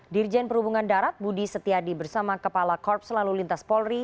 dirjen perhubungan darat budi setiadi bersama kepala korps lalu lintas polri